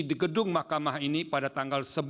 di gedung mahkamah ini pada tanggal